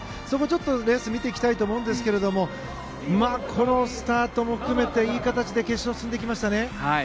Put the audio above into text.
そのレースを見ていきたいと思いますがこのスタートも含めていい形で決勝に進んできましたね。